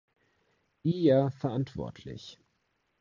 Iyer" verantwortlich.